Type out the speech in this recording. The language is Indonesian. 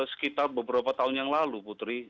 sekitar beberapa tahun yang lalu putri